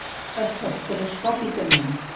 Espectroscòpicament.